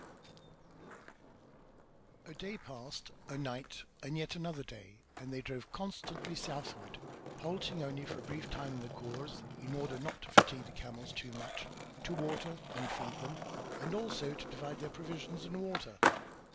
XI A day passed, a night, and yet another day and they drove constantly southward, halting only for a brief time in the khors in order not to fatigue the camels too much, to water and feed them, and also to divide their provisions and water.